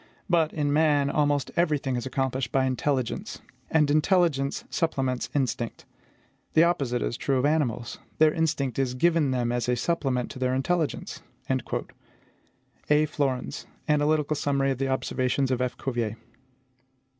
But, in man, almost every thing is accomplished by intelligence; and intelligence supplements instinct. The opposite is true of animals: their instinct is given them as a supplement to their intelligence.'" Flourens: Analytical Summary of the Observations of F. Cuvier.